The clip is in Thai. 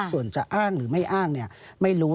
ส่วนจะอ้างหรือไม่อ้างไม่รู้